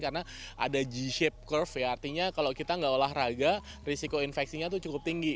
karena ada g shape curve ya artinya kalau kita nggak olahraga risiko infeksinya itu cukup tinggi